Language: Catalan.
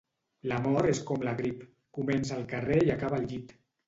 L'amor és com la grip: comença al carrer i acaba al llit.